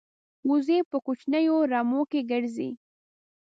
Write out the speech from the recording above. وزې په کوچنیو رمو کې ګرځي